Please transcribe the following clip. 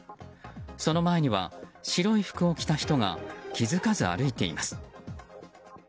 その前には白い服を着た人が気づかず歩いています。